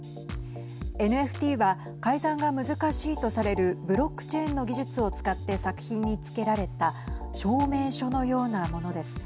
ＮＦＴは改ざんが難しいとされるブロックチェーンの技術を使って作品につけられた証明書のようなものです。